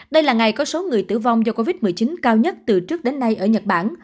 đây là ngày có số người tử vong do covid một mươi chín cao nhất từ trước đến nay ở nhật bản